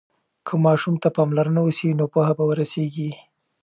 که ماشوم ته پاملرنه وسي نو پوهه به ورسيږي.